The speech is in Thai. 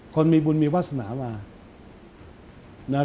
คนมีบุญมีวาสนามา